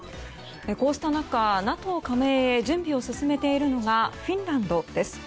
こうした中ＮＡＴＯ加盟へ準備を進めているのがフィンランドです。